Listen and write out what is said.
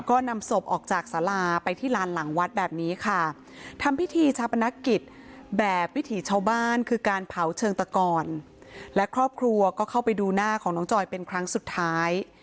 ก็นำศพออกจากสาราไปที่ลานหลังวัดแบบนี้ค่ะทำพิธีชาปนกิจแบบวิถีชาวบ้านคือการเผาเชิงตะกรและครอบครัวก็เข้าไปดูหน้าของน้องจอยเป็นครั้งสุดท้าย